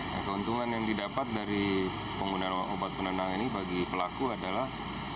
nah keuntungan yang didapat dari penggunaan obat penenang ini bagi pelaku adalah